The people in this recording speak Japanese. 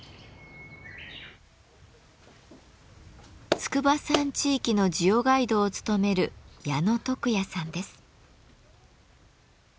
筑波山地域のジオガイドを務める矢野徳也さんです。